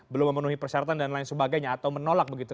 belum memenuhi persyaratan dan lain sebagainya atau menolak begitu